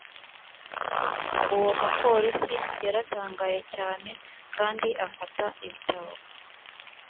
uwo mupolisi yaratangaye cyane kandi afata ibitabo